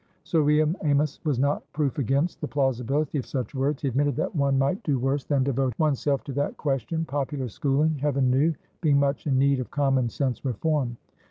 Sir William Amys was not proof against the plausibility of such words: he admitted that one might do worse than devote oneself to that question; popular schooling, heaven knew, being much in need of common sense reform.